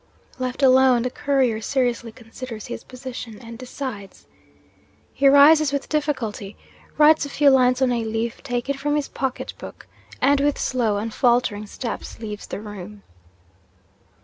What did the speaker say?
'Left alone, the Courier seriously considers his position and decides. He rises with difficulty; writes a few lines on a leaf taken from his pocket book; and, with slow and faltering steps, leaves the room.